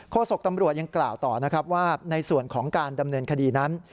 โศกตำรวจยังกล่าวต่อนะครับว่าในส่วนของการดำเนินคดีนั้น